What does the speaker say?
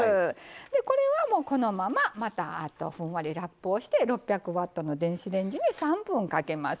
これは、このまままたふんわりラップをして６００ワットの電子レンジに３分かけます。